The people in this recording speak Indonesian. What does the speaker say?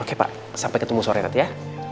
oke pak sampai ketemu sore nanti ya